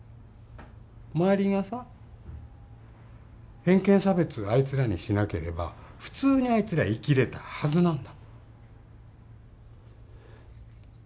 周りがさ偏見差別あいつらにしなければ普通にあいつら生きれたはずなんだ。